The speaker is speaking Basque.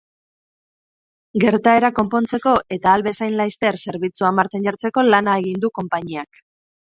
Gertaera konpontzeko eta ahal bezain laster zerbitzuak martxan jartzeko lana egin du konpainiak.